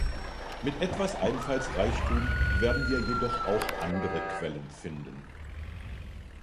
Mit etwas Einfallsreichtum werden wir jedoch auch andere Quellen finden.